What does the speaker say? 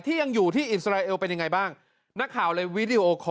ยังอยู่ที่อิสราเอลเป็นยังไงบ้างนักข่าวเลยวีดีโอคอร์